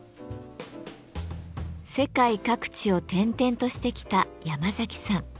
世界各地を転々としてきたヤマザキさん。